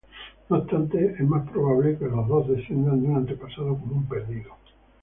No obstante, es más probable que los dos desciendan de un antepasado común perdido.